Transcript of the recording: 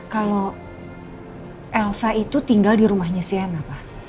kalo elsa itu tinggal di rumahnya sienna